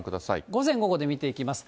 午前午後で見ていきます。